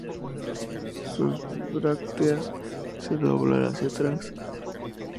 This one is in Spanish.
Sus brácteas se doblan hacia atrás.